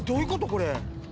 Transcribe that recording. これ。